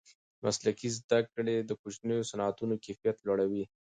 مسلکي زده کړې د کوچنیو صنعتونو کیفیت لوړوي.